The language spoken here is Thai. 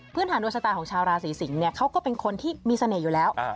ฐานดวงชะตาของชาวราศีสิงศ์เนี่ยเขาก็เป็นคนที่มีเสน่ห์อยู่แล้ว